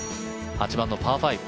８番のパー